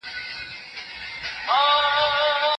د لويي جرګې استازي له غونډي وروسته بېرته چېرته ستنېږي؟